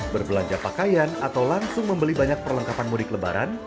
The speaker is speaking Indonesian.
berbelanja pakaian atau langsung membeli banyak perlengkapan mudik lebaran